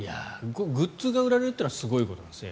グッズが売られるというのはすごいことですか。